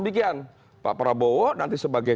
demikian pak prabowo nanti sebagai